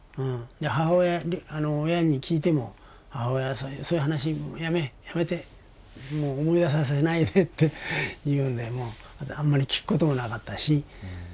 母親親に聞いても母親は「そういう話もうやめやめてもう思い出させないで」って言うのであんまり聞くこともなかったし。